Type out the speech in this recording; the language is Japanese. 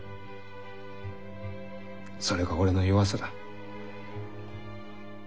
それが俺の弱さだ。